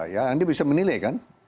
ya anda bisa menilai kan